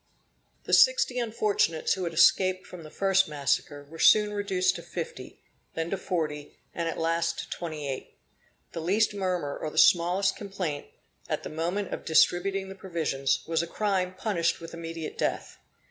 The sixty unfortunates who had escaped from the first massacre, were soon reduced to fifty, then to forty, and at last to twenty eight. The least murmur, or the smallest complaint, at the moment of distributing the provisions, was a crime punished with immediate death.